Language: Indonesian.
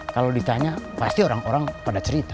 kalau ditanya pasti orang orang pada cerita